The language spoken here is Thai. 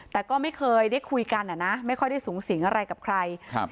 แต่ก็ไม่เคยได้คุยกันไม่ค่อยได้สูงสิงอะไรกับใคร